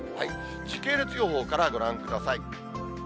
時系列予報からご覧ください。